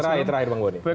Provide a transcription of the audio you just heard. terakhir terakhir bang boni